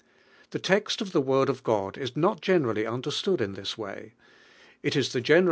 TLis test of the Word of God is not generally understood in Ibis way. It is the general!